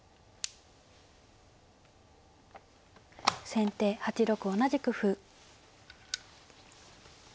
先手８六同じく歩。